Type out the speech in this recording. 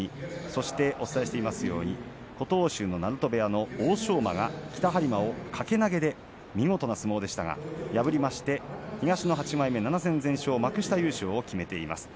そしてお伝えしていますように琴欧洲の鳴戸部屋の欧勝馬が北はり磨を掛け投げで見事な相撲でしたが敗りまして東の８枚目で７戦全勝し幕下優勝を決めました。